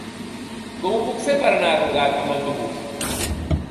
Com ho puc fer per anar a Rugat amb autobús?